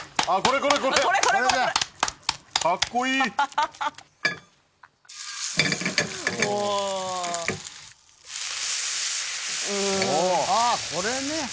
ああこれね。